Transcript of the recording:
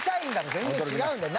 全然違うんだよ。